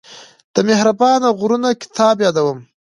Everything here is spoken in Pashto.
د مهربانه غرونه کتاب يادوم.